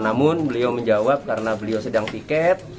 namun beliau menjawab karena beliau sedang tiket